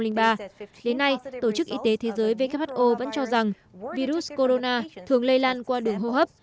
đến nay tổ chức y tế thế giới who vẫn cho rằng virus corona thường lây lan qua đường hô hấp